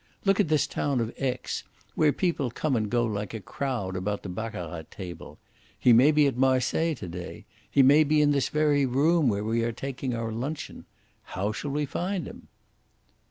Look at this town of Aix, where people come and go like a crowd about the baccarat table! He may be at Marseilles to day. He may be in this very room where we are taking our luncheon. How shall we find him?"